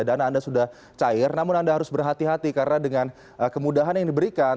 dana anda sudah cair namun anda harus berhati hati karena dengan kemudahan yang diberikan